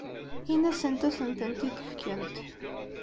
Ini-asent ad asent-tent-id-fkent.